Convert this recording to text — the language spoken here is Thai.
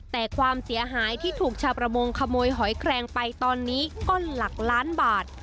แต่ความเสียหายที่ถูกชาวประมงขโมยหอยแคลงไปตอนนี้ก็หลักล้านบาท